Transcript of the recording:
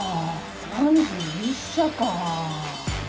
３１社か。